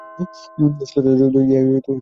শত শত যুগ ধরিয়া ইহাই ঋষিদের ঘোষণা।